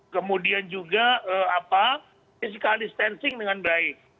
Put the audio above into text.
kemudian juga physical distancing dengan baik